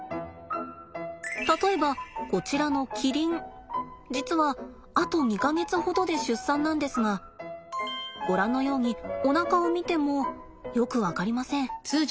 例えばこちらのキリン実はあと２か月ほどで出産なんですがご覧のようにおなかを見てもよく分かりません。